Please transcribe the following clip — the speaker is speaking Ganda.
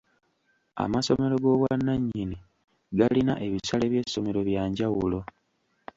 Amasomero g'obwannannyini galina ebisale by'essomero bya njawulo.